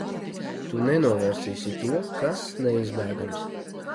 Tu nenovērsīsi to, kas neizbēgams.